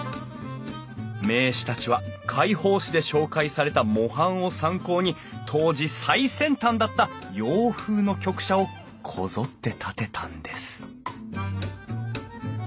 名士たちは会報誌で紹介された模範を参考に当時最先端だった洋風の局舎をこぞって建てたんです